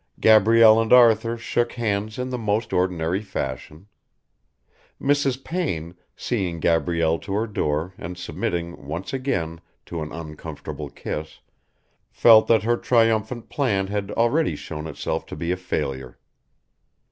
Gabrielle and Arthur shook hands in the most ordinary fashion. Mrs. Payne, seeing Gabrielle to her door and submitting, once again, to an uncomfortable kiss, felt that her triumphant plan had already shown itself to be a failure.